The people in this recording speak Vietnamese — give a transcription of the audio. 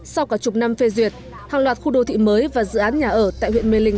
sau cả chục năm phê duyệt hàng loạt khu đô thị mới và dự án nhà ở tại huyện mê linh